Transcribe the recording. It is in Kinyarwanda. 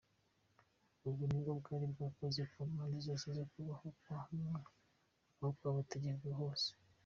Ubu nibwo bwami bwakoze ku mpande zose zo kubaho kwa muntu aho bwategekaga hose.